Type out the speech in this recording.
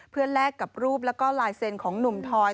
เพื่อแลกกับรูปแล้วก็ลายเซ็นต์ของหนุ่มทอย